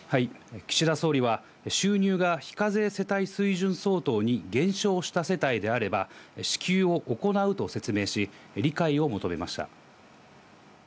岸田総理は、収入が非課税世帯水準相当に減少した世帯であれば、支給を行うと説明し、理解を求めました。